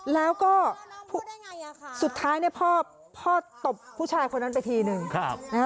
แล้วก็สุดท้ายพ่อตบผู้ชายคนนั้นไปทีหนึ่ง